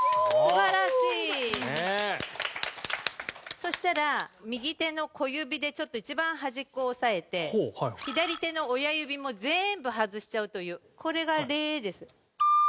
そしたら右手の小指でちょっと一番端っこを押さえて左手の親指も全部外しちゃうというこれがレです。